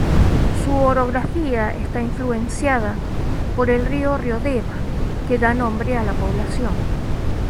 Su orografía está influenciada por el río Riodeva, que da nombre a la población.